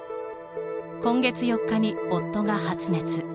今月４日に夫が発熱。